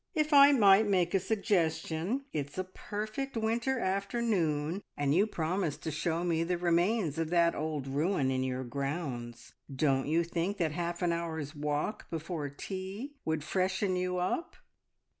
If I might make a suggestion, it's a perfect winter afternoon, and you promised to show me the remains of that old ruin in your grounds. Don't you think that half an hour's walk before tea would freshen you up?"